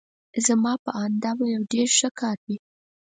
زما په آند دا به یو ډېر ښه کار وي.